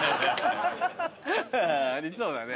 ありそうだね「○」